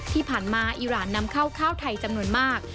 ที่ผ่านมาอีรานนำเข้าข้าวไทยจำนวนมาก